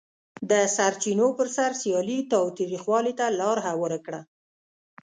د سرچینو پر سر سیالي تاوتریخوالي ته لار هواره کړه.